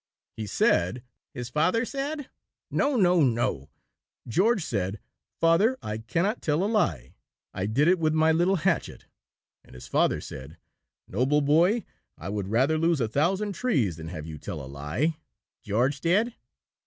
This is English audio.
"He said " "His father said?" "No, no, no; George said, 'Father, I cannot tell a lie. I did it with my little hatchet.' And his father said, 'Noble boy, I would rather lose a thousand trees than have you tell a lie.'" "George did?"